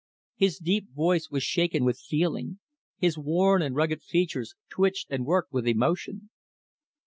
His deep voice was shaken with feeling. His worn and rugged features twitched and worked with emotion.